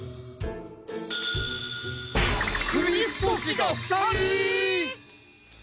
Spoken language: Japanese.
くびふとしがふたり！？